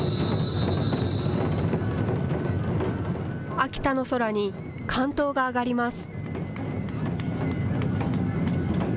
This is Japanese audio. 秋田の空に竿燈があがります。